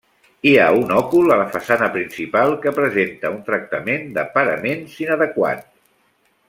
Hi ha un òcul a la façana principal, que presenta un tractament de paraments inadequat.